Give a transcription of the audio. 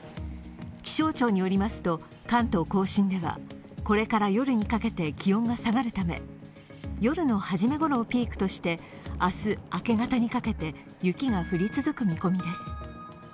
気象庁によりますと、関東甲信ではこれから夜にかけて気温が下がるため夜の初めごろをピークとして、明日明け方にかけて雪が降り続く見込みです。